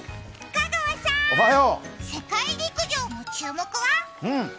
香川さーん、世界陸上の注目は？